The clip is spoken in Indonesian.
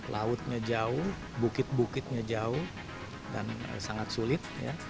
lautnya jauh bukit bukitnya jauh dan sangat sulit